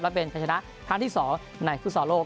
และเป็นชนะครั้งที่สองในฟุตสอร์โลก